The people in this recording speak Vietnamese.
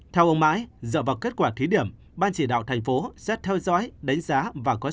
theo ông mãi dựa vào kết quả thí điểm ban chỉ đạo thành phố sẽ theo dõi đánh giá